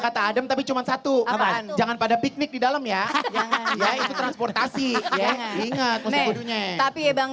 kata adem tapi cuma satu jangan pada biknik di dalam ya transportasi ingat tapi ya bang